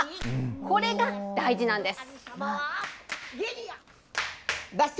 これが大事なんです。